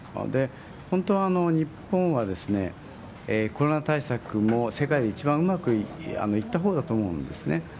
本当は日本は、コロナ対策も世界で一番うまくいったほうだと思うんですね。